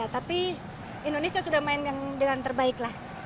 tapi indonesia sudah main dengan terbaik lah